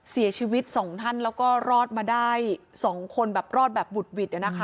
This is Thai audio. เสียชีวิตสองท่านแล้วก็รอดมาได้๒คนแบบรอดแบบบุดหวิดนะคะ